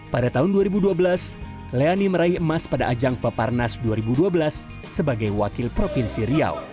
pada tahun dua ribu dua belas leani meraih emas pada ajang peparnas dua ribu dua belas sebagai wakil provinsi riau